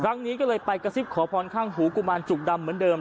ครั้งนี้ก็เลยไปกระซิบขอพรข้างหูกุมารจุกดำเหมือนเดิม